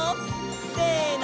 せの！